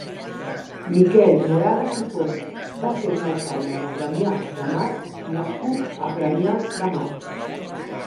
Miquel Moragas i Font va ser un alcalde de Premia de Mar nascut a Premià de Mar.